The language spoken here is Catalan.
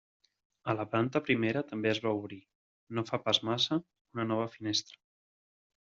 A la planta primera també es va obrir, no fa pas massa, una nova finestra.